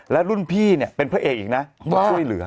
และรุ่นพี่เป็นพระเอกอีกนะต้องช่วยเหลือ